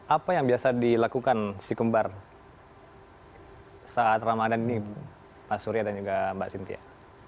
apa yang biasa dilakukan si kembar saat ramadhan ini pak surya dan juga mbak cynthia